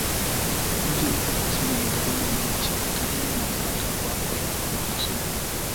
Mji uko kusini-magharibi mwa nchi, karibu na mpaka na Korea ya Kusini.